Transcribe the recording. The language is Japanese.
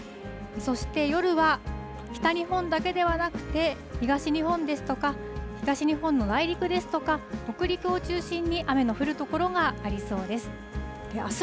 そして夜は、北日本だけではなくて、東日本ですとか、東日本の内陸ですとか、北陸を中心に、雨の降る所がありそうです。